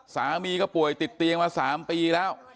สามีก็ป่วยติดเตียงมา๓ปีแล้ว